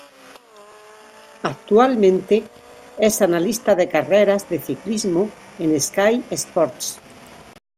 Actualmente es analista de carreras de ciclismo en Sky Sports.